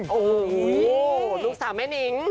โอ้โหลูกสาวแม่นิ้ง